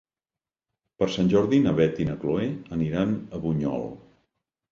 Per Sant Jordi na Beth i na Chloé aniran a Bunyol.